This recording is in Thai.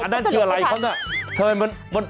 อันนั้นคืออะไรครับน่ะทำไมมัน